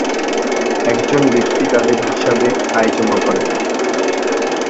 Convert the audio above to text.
একজন ব্যক্তি তাদের হিসাবে আয় জমা করেন।